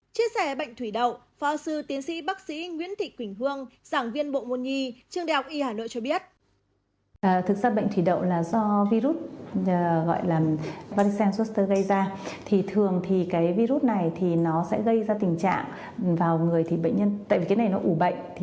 chia sẻ bệnh thủy đậu phó sư tiến sĩ bác sĩ nguyễn thị quỳnh hương giảng viên bộ môn nhi trường đại học y hà nội cho biết